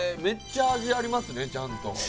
めっちゃ味ありますねちゃんと。